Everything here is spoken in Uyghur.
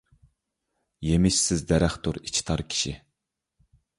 يېمىشسىز دەرەختۇر ئىچى تار كىشى.